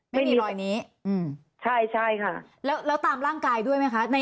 ไม่มีรอยนี้ใช่ใช่ค่ะแล้วตามร่างกายด้วยไหมคะ